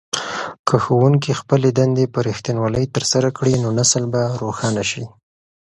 که ښوونکي خپلې دندې په رښتینولۍ ترسره کړي نو نسل به روښانه شي.